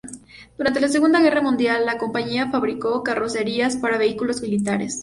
Durante la Segunda Guerra Mundial la compañía fabricó carrocerías para vehículos militares.